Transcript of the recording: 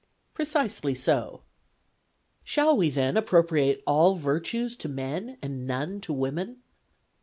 ' Precisely so.' ' Shall we, then, appropriate all virtues to men and none to women